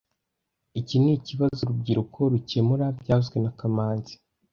Iki nikibazo urubyiruko rukemura byavuzwe na kamanzi